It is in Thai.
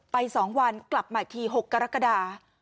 ไป๒วันกลับมาที๖กรกฎา